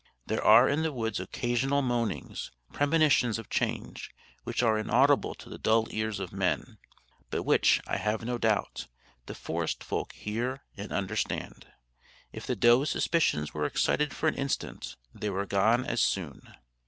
There are in the woods occasional moanings, premonitions of change, which are inaudible to the dull ears of men, but which, I have no doubt, the forest folk hear and understand. If the doe's suspicions were excited for an instant, they were gone as soon.